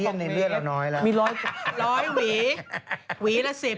ยาว๒เมตรมีร้อยหวีหวีละ๑๐